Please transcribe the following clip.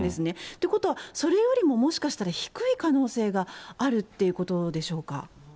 ということは、それよりももしかしたら低い可能性があるっていうことでしょうか。